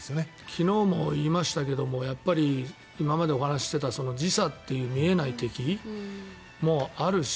昨日も言いましたが今までお話ししてた時差という見えない敵もあるし